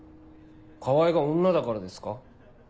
川合が女だからですか？